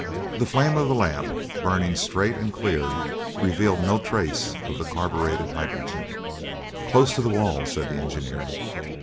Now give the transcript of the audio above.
The flame of the lamp, burning straight and clear, revealed no trace of the carburetted hydrogen. "Close to the wall," said the engineer.